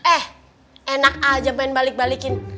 eh enak aja main balik balikin